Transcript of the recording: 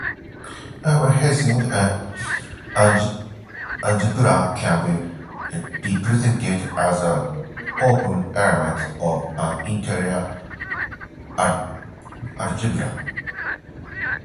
Every Heyting algebra can be represented as the open elements of an interior algebra.